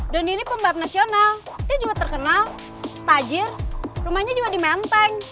doni ini pembalap nasional dia juga terkenal tajir rumahnya juga di menteng